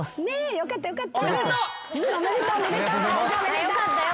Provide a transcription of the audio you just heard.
よかったよかった。